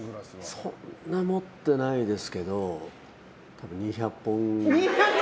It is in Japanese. そんな持ってないですけど２００本。